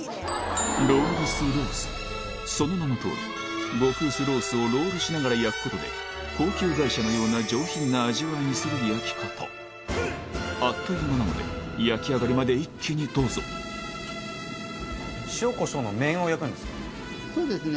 その名のとおり極薄ロースをロールしながら焼くことで高級外車のような上品な味わいにする焼き方あっという間なので焼き上がりまで一気にどうぞそうですね